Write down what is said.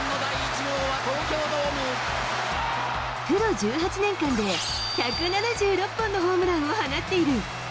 プロ１８年間で、１７６本のホームランを放っている。